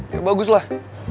ya bagus lah